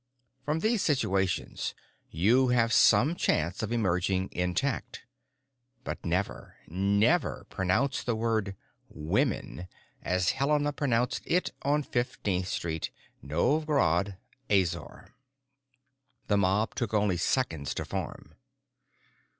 From these situations you have some chance of emerging intact. But never, never pronounce the word "women" as Helena pronounced it on Fifteen Street, Novj Grad, Azor. The mob took only seconds to form.